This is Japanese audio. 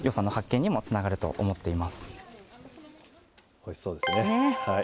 おいしそうですね。